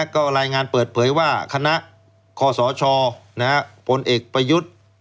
ก็รายงานเปิดเผยว่าคณะคศผลเอกประยุทธ์